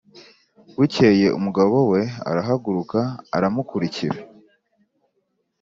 Bukeye umugabo we arahaguruka aramukurikira